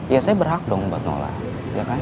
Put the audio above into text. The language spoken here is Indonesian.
ya saya berhak dong buat nolak iya kan